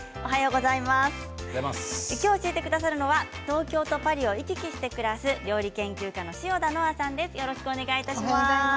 今日、教えてくださるのは東京とパリを行き来して暮らす料理研究家の塩田ノアさんです。